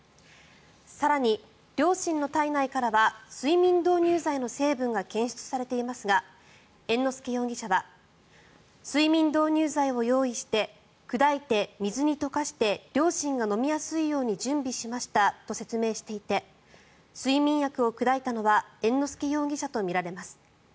更に両親の体内からは睡眠導入剤の成分が検出されていますが猿之助容疑者は睡眠導入剤を用意して砕いて、水に溶かして両親が飲みやすいように準備しましたと説明していて睡眠薬を砕いたのは猿之助容疑者とみられます。